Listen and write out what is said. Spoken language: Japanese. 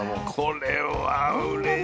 これはうれしい。